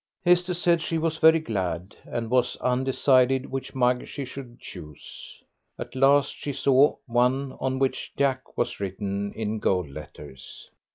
Esther said she was very glad, and was undecided which mug she should choose. At last she saw one on which "Jack" was written in gold letters.